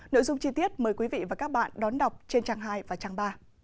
nội dung chi tiết mời quý vị và các bạn đón đọc trên trang hai và trang ba